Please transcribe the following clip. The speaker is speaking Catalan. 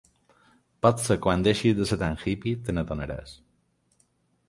Potser quan deixis de ser tan hippy te n'adonaràs.